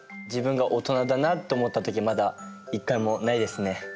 自分がオトナだなと思った時まだ１回もないですね。